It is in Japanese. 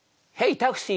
タクシー！